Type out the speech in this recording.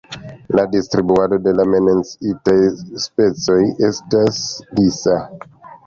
La distribuado de la menciitaj specioj estas disa.